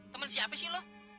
temen siapa sih lo